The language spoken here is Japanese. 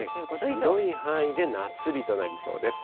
広い範囲で夏日となりそうです。